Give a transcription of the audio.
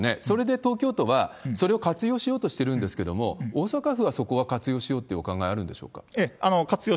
それで東京都は、それを活用しようとしているんですけれども、大阪府はそこは活用しようっていうお考え、あるんでしょうか？